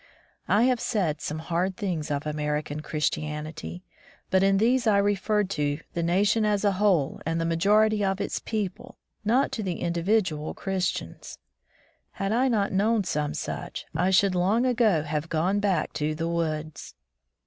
I have said some hard things of American Christianity, but in these I referred to the nation as a whole and to the majority of its people, not to individual 151 From the Deep Woods to Civilization Christians. Had I not known some such, I should long ago have gone back to the woods.